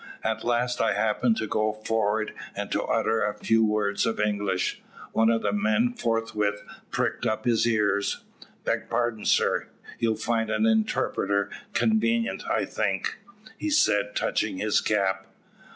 At last I happened to go forward and to utter a few words of English. One of the men forthwith pricked up his ears. "`Beg pardon, sir, you'd find an interpreter convenient, I think,' he said, touching his cap.